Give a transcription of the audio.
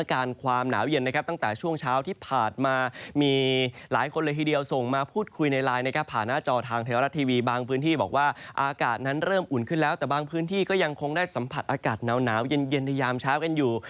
อากาศหนาวเย็นพยายามเช้ากันอยู่